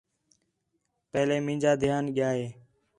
پہلے مینجا دھیان ڳِیا ہِے